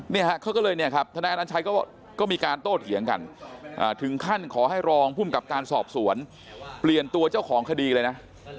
เนี่ยฮะเขาก็เลยเนี่ยครับทนายอนัญชัยก็มีการโต้เถียงกันถึงขั้นขอให้รองภูมิกับการสอบสวนเปลี่ยนตัวเจ้าของคดีเลยนะ